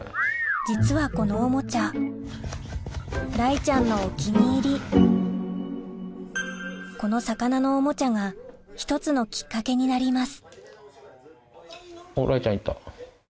実はこのおもちゃ雷ちゃんのお気に入りこの魚のおもちゃが１つのきっかけになります